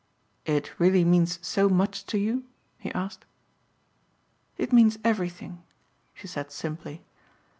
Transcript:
"It really means so much to you?" he asked. "It means everything," she said simply.